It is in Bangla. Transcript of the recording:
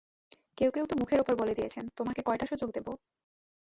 কেউ কেউ তো মুখের ওপর বলে দিয়েছেন, তোমাকে কয়টা সুযোগ দেব?